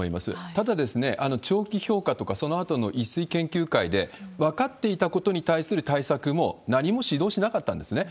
ただ、長期評価とか、そのあとのいすい研究会で、分かっていたことに対する対策も、何も指導しなかったんですね。